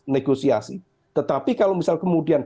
negosiasi tetapi kalau misal kemudian